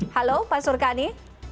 halo pak surkani